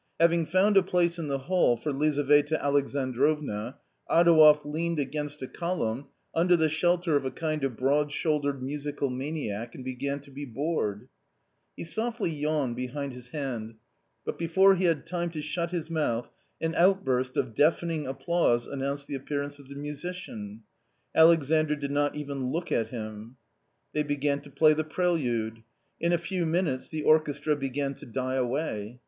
Having found a place in the hall for Lizaveta Alexandrovna, Adouev leaned against a column, under the shelter of a kindof broad shouldered musical maniac and began to bd^Jorecfc He softly yawned behind his hand, but before he nacTtime to shut his mouth, an out burst of deafening applause announced the appearance of the musician. Alexandr did not even look at him. They began to play the. prelude. In a few minutes the orchestra began to die away.